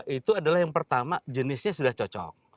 itu adalah yang pertama jenisnya sudah cocok